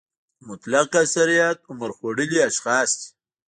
مطلق اکثریت عمر خوړلي اشخاص دي.